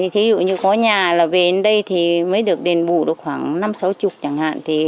thí dụ như có nhà là về đến đây thì mới được đền bù được khoảng năm sáu mươi chẳng hạn